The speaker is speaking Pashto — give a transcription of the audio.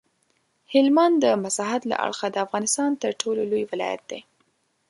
هلمند د مساحت له اړخه د افغانستان تر ټولو لوی ولایت دی.